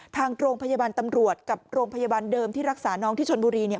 ทางโรงพยาบาลตำรวจกับโรงพยาบาลเดิมที่รักษาน้องที่ชนบุรีเนี่ย